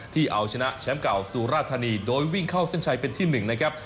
ที่เอาชนะแชมป์เก่าสุราธานีโดยวิ่งเข้าเส้นชัยเป็นที่๑นะครับ